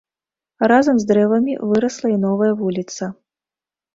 Разам з дрэвамі вырасла і новая вуліца.